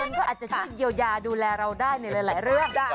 ก็อาจจะช่วยเยียวยาดูแลเราได้ในหลายเรื่อง